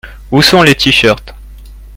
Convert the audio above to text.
Où sont les tee-shirts ?